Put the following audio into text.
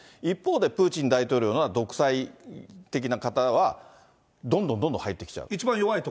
一方で、プーチン大統領のような独裁的な方はどんどんどんどん入ってきちゃう。